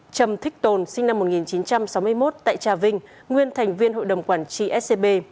trầm thích tồn sinh năm một nghìn chín trăm sáu mươi một tại trà vinh nguyên thành viên hội đồng quản trị scb